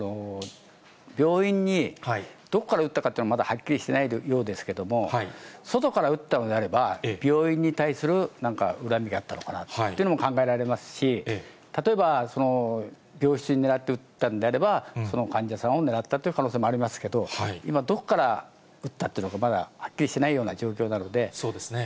病院にどこから撃ったかというのはまだはっきりしてないようですけれども、外から撃ったのであれば、病院に対するなんか恨みがあったのかというのも考えられますし、例えば病室を狙って撃ったんであれば、その患者さんを狙ったという可能性もありますけど、今、どこから撃ったっていうのがまだはっきりしないような状況なので。